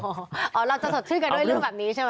อ๋อเราจะสดชื่นกันด้วยเรื่องแบบนี้ใช่ไหม